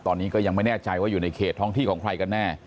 ตอนนี้ก็ยังไม่แน่ใจว่าอยู่ในเขตท้องที่ของใครกันแน่